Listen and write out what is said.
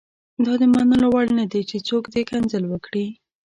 دا د منلو وړ نه دي چې څوک دې کنځل وکړي.